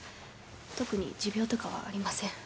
特に持病とかはありません